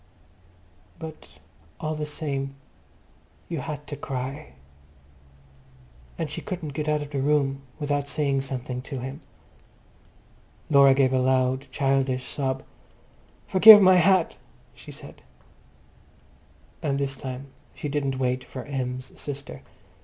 But all the same you had to cry, and she couldn't go out of the room without saying something to him. Laura gave a loud childish sob. "Forgive my hat," she said. And this time she didn't wait for Em's sister.